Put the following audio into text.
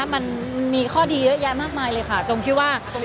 มันมีข้อดีเยอะแยะมากมายเลยค่ะ